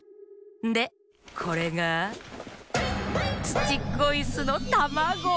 でこれがツチッコイスのたまご。